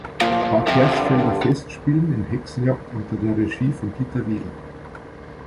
Bad Hersfelder Festspielen in "Hexenjagd" unter der Regie von Dieter Wedel.